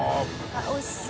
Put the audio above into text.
わっおいしそう。